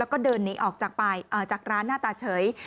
แล้วก็เดินหนีออกจากร้านหน้าตาเฉย